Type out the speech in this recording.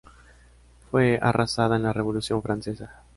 Fue arrasada en la Revolución francesa.